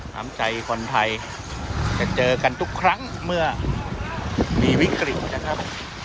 น้ำใจคนไทยจะเจอกันทุกครั้งเมื่อมีวิกฤตนะครับ